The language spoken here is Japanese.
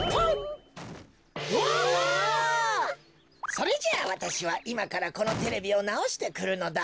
それじゃあわたしはいまからこのテレビをなおしてくるのだ。